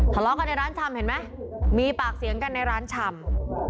ทะเลาะกันในร้านชำเห็นไหมมีปากเสียงกันในร้านชำ